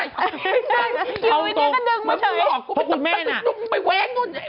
อยู่อีกนิดนึงเฉย